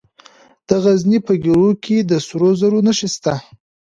د غزني په ګیرو کې د سرو زرو نښې شته.